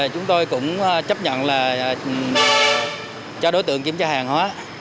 chúng tôi cũng chấp nhận là cho đối tượng kiểm tra hàng hóa